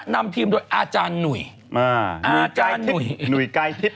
นำทีมโดยอาจารย์หน่วยหน่วยใกล้ทฤทธิ์